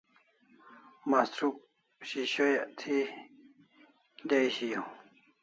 Mastruk s'is'oyak thi dai shiau